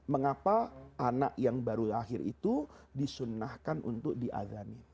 mengapa anak yang baru lahir itu disunnahkan untuk diazanin